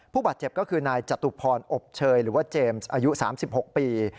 ผู้บาดเจ็บก็คือนายจตุพรอบเชยหรือว่าเจมส์อายุ๓๖ปี